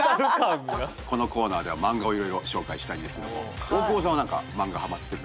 このコーナーではマンガをいろいろ紹介したいんですけども大久保さんは何かそうですね。